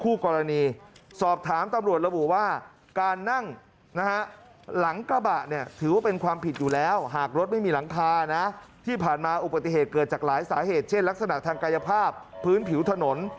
อุปสรรย์เกิดจากหลายสาเหตุเช่นลักษณะทางกายภาพพื้นผิวถนน